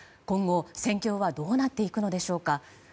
今後、戦況はどうなっていくのでしょうか。